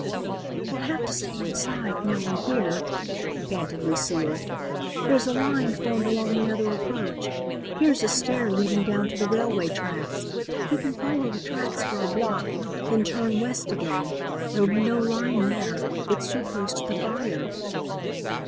"We'll have to stay inside, now we're here," panted Lucile. "There's a line formed along the other approach. Here's a stair leading down to the railway tracks. We can follow the tracks for a block, then turn west again. There'll be no line there; it's too close to the fire."